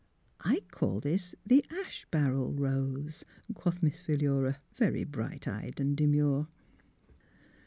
'* I call this the ash barrel rose," quoth Miss Philura, very bright eyed and demure.